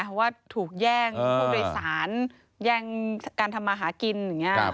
เพราะว่าถูกแย่งผู้โดยสารแย่งการทำมาหากินอย่างนี้